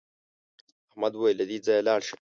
احمد وویل له دې ځایه لاړ شه.